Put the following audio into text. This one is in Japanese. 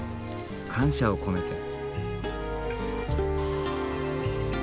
感謝を込めて。